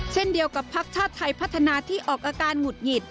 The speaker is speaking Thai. เช่นเดียวกับพักชาติไทยพัฒนาที่ออกอาการหงุดหงิด